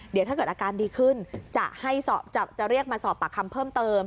เดี๋ยวถ้าเกิดอาการดีขึ้นจะเรียกมาสอบปากคำเพิ่มเติม